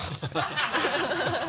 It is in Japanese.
ハハハ